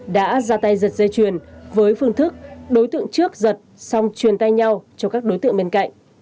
đã ra tay giật dây chuyền với phương thức đối tượng trước giật xong truyền tay nhau cho các đối tượng bên cạnh